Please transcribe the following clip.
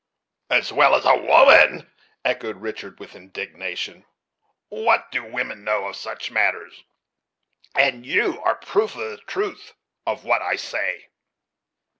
"As well as a woman!" echoed Richard with indignation; "what do women know of such matters? and you are proof of the truth of what I say.